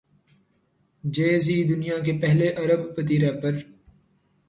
جے Z دنیا کے پہلے ارب پتی ریپر